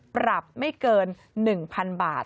ปรับไม่เกิน๑๐๐๐บาท